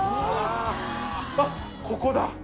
あっここだ！